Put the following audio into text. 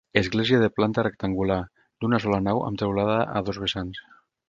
Església de planta rectangular, d'una sola nau amb teulada a dos vessants.